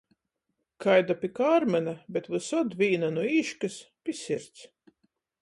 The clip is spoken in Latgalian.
Kaida pi kārmyna, bet vysod vīna nu īškys, pi sirds.